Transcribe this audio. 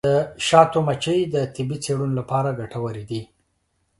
د شاتو مچۍ د طبي څیړنو لپاره ګټورې دي.